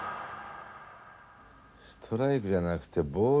ストライクじゃなくてボール。